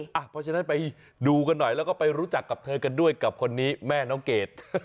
เพราะฉะนั้นไปดูกันหน่อยแล้วก็ไปรู้จักกับเธอกันด้วยกับคนนี้แม่น้องเกด